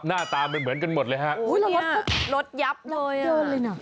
หน้าตามันเหมือนกันหมดเลยฮะโอ้ยเนี่ยรถยับเลยยับเยินเลยน่ะ